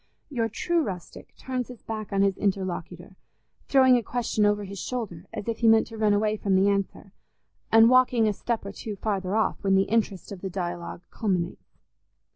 Your true rustic turns his back on his interlocutor, throwing a question over his shoulder as if he meant to run away from the answer, and walking a step or two farther off when the interest of the dialogue culminates.